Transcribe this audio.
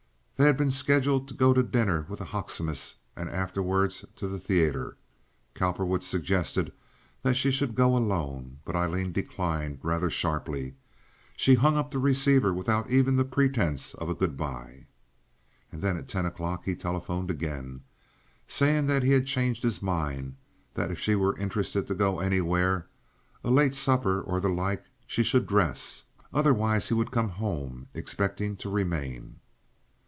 They had been scheduled to go to dinner with the Hoecksemas, and afterward to the theater. Cowperwood suggested that she should go alone, but Aileen declined rather sharply; she hung up the receiver without even the pretense of a good by. And then at ten o'clock he telephoned again, saying that he had changed his mind, and that if she were interested to go anywhere—a later supper, or the like—she should dress, otherwise he would come home expecting to remain.